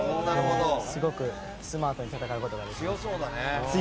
すごくスマートに戦うことができます。